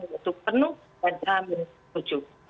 untuk penuh dan jam tujuh